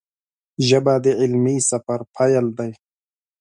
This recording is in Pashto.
ژبه د علمي سفر پیل دی